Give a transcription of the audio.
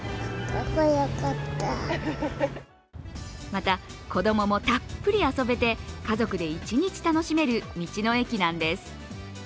また、子供もたっぷり遊べて家族で一日楽しめる道の駅なんです。